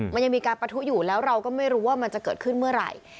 มันยังมีการประทุอยู่แล้วเราก็ไม่รู้ว่ามันจะเกิดขึ้นเมื่อไหร่